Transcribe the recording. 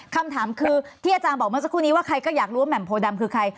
คำถามคือที่อาจารย์บอกเมื่อสักครู่นี้ว่าใครก็อยากรู้ว่าแหม่มโพดำคือใคร